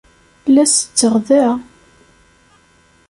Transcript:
La setteɣ da.